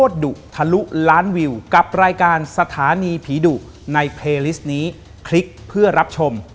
สวัสดีครับ